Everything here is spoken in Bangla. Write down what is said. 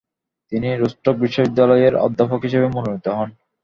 তিনি রোস্টক বিশ্ববিদ্যালয়ের অধ্যাপক হিসাবে মনোনীত হন।